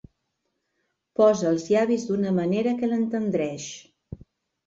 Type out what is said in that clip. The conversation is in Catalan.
Posa els llavis d'una manera que l'entendreix.